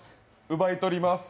奪い取ります